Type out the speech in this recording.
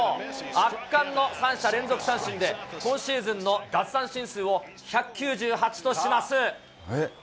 圧巻の３者連続三振で、今シーズンの奪三振数を１９８とします。